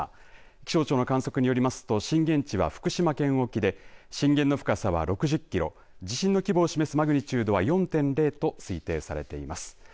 気象庁の観測によりますと震源地は福島県沖で震源の深さは６０キロ地震の規模を示すマグニチュードは４．０と推定されています。